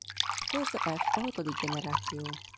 A Corsa F a hatodik generáció.